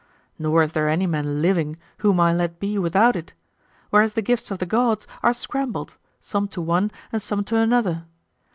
Nor is there any man living whom I let be without it; whereas the gifts of the gods are scrambled, some to one and some to another.